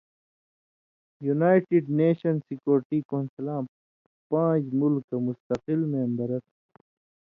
یونائٹڈ نیشن سیکورٹی کونسلاں پان٘ژ مُلکہ مستقل مېمبرہ تھو،